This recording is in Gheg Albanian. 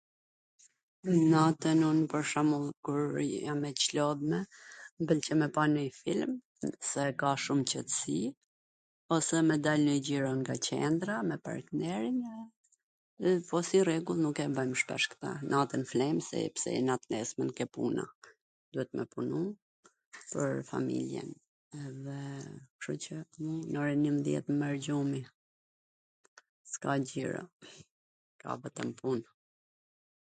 Natwn, un pwr shwmwll, kur jam e Clodhme, mw pwlqen me pa nojw film, se ka shum qetsi, ose me dal njw xhiro nga qendra, me partnerin, edhe... po si rregull nuk e bajm shpesh kwtw, natwn flejm sepse jena t nesmen ke puna, duhet me punu pwr familjen.... edhe kshu qw nw oren njwmbwdhjet mw merr gjumi...